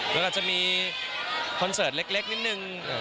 แล้วก็จะมีคอนเสิร์ตเล็กนิดหนึ่ง